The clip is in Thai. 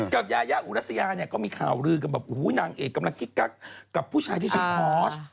ยายาอุรัสยาเนี่ยก็มีข่าวลือกันแบบนางเอกกำลังคิกกักกับผู้ชายที่ชื่อพอส